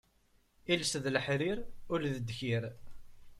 Iles d leḥrir, ul d ddkir.